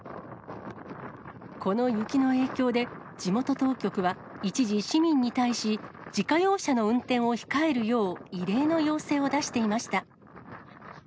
この雪の影響で、地元当局は一時、市民に対し自家用車の運転を控えるよう、異例の要請を出していました。